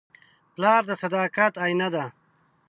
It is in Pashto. پلار د صداقت آیینه ده.